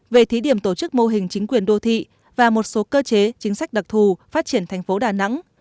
về thí điểm tổ chức mô hình chính quyền đô thị và một số cơ chế chính sách đặc thù phát triển thành phố đà nẵng